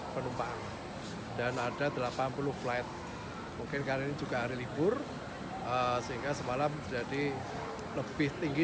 penumpang dan ada delapan puluh flight mungkin karena ini juga hari libur sehingga semalam jadi lebih tinggi